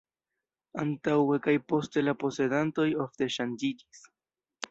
Antaŭe kaj poste la posedantoj ofte ŝanĝiĝis.